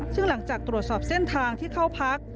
ซึ่งหลังจากตรวจสอบเส้นทางที่เข้าพัก